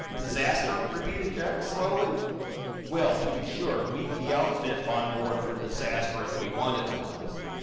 "Disaster?" repeated Jack, slowly. "Well, to be sure, we've the outfit on board for a disaster, if we wanted one.